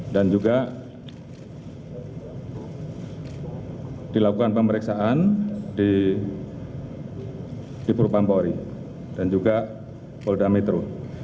dan juga dilakukan pemeriksaan di purpampori dan juga polda metro